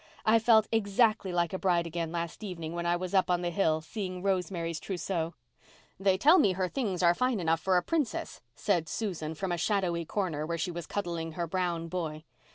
I felt exactly like a bride again last evening when I was up on the hill seeing Rosemary's trousseau." "They tell me her things are fine enough for a princess," said Susan from a shadowy corner where she was cuddling her brown boy.